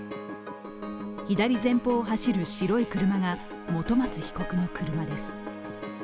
左前方を走る白い車が本松被告の車です。